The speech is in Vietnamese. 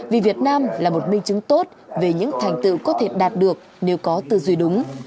vì việt nam là một minh chứng tốt về những thành tựu có thể đạt được nếu có tư duy đúng